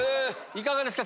いかがですか？